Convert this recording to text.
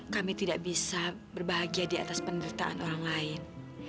kami tidak bisa berbahagia di atas penderitaan orang lain